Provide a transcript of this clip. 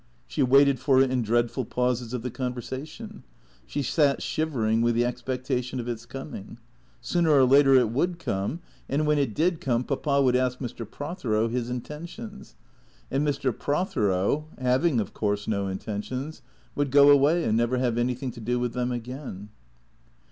She waited for it in dreadful pauses of the conversation ; she sat shivering with the expectation of its coming. Sooner or later it would come, and when it did come THE CREATORS 211 Papa would ask Mr. Prothero his intentions, and Mr. Prothero, having of course no intentions, would go away and never have anything to do with them again.